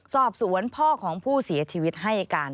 สอบสวนพ่อของผู้เสียชีวิตให้การ